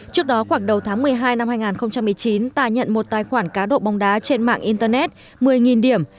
trước đó khoảng đầu tháng một mươi hai năm hai nghìn một mươi chín tài nhận một tài khoản cá độ bóng đá trên mạng internet một mươi điểm